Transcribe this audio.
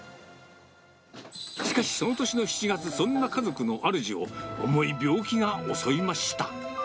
しかし、その年の７月、そんな家族の主を、重い病気が襲いました。